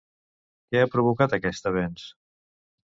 Què ha provocat aquest avenç?